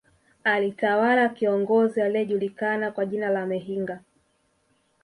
Alitawala kiongozi aliyejulikana kwa jina la Mehinga